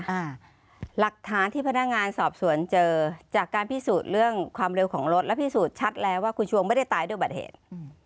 อ่าหลักฐานที่พนักงานสอบสวนเจอจากการพิสูจน์เรื่องความเร็วของรถและพิสูจน์ชัดแล้วว่าคุณชวงไม่ได้ตายด้วยบัติเหตุอืม